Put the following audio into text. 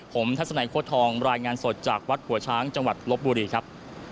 ผมทัศนัยโค้ทองรายงานสดจากวัดหัวช้างจังหวัดลบบุรีครับ